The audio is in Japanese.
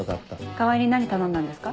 川合に何頼んだんですか？